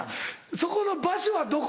そこの場所はどこ？